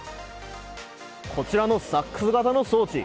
こちらのサックス型の装置。